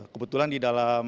kebetulan di dalam